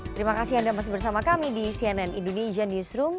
terima kasih anda masih bersama kami di cnn indonesia newsroom